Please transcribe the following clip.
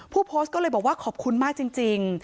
ผู้โพสต์ก็เลยบอกว่าขอบคุณมากจริง